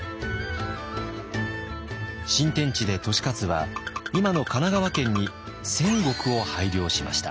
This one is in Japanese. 新天地で利勝は今の神奈川県に１，０００石を拝領しました。